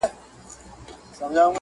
هم یې پلار ننه ایستلی په زندان وو؛